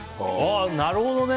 なるほどね！